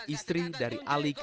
istri dari alikun